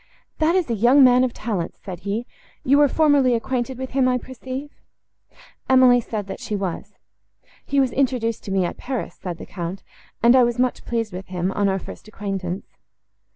"That is a young man of talents," said he; "you were formerly acquainted with him, I perceive." Emily said, that she was. "He was introduced to me, at Paris," said the Count, "and I was much pleased with him, on our first acquaintance."